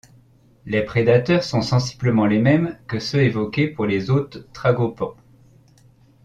Les prédateurs sont sensiblement les mêmes que ceux évoqués pour les autres tragopans.